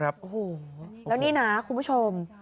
โอ้โหแล้วนี่นะคุณผู้ชม